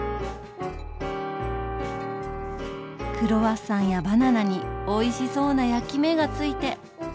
クロワッサンやバナナにおいしそうな焼き目が付いて。